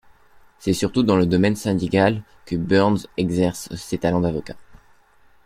C'est surtout dans le domaine syndical que Burns exerce ses talents d'avocat.